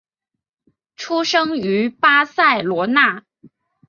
出生于巴塞罗那。